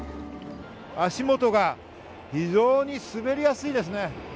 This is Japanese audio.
足元が非常に滑りやすいですね。